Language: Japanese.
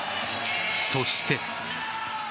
そして。